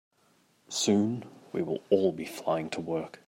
Soon, we will all be flying to work.